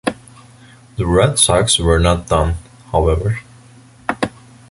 The Red Sox were not done, however.